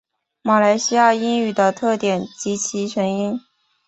马来西亚英语的特点及其成因